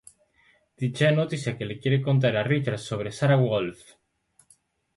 Dicha noticia que le quiere contar a Richard sobre Sara Wolfe.